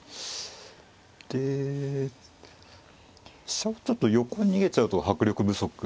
で飛車をちょっと横に逃げちゃうと迫力不足。